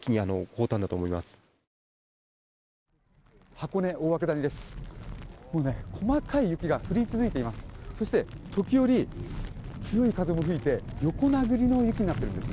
箱根大涌谷です。